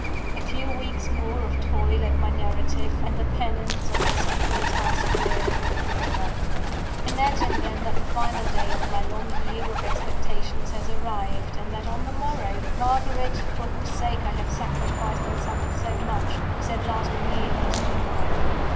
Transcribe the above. A few weeks more of toil at my narrative, and the penance of this poor task work will be over. Imagine then, that the final day of my long year of expectation has arrived; and that on the morrow, Margaret, for whose sake I have sacrificed and suffered so much, is at last really to be mine.